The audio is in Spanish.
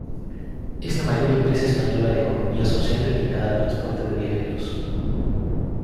Es la mayor empresa española de economía social dedicada al transporte de viajeros.